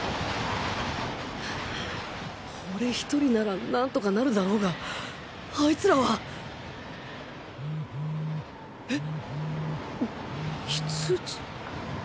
俺１人ならなんとかなるだろうがあいつらは。非通知？